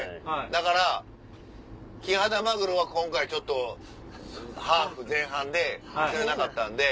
だからキハダマグロは今回ちょっとハーフ前半で釣れなかったんで。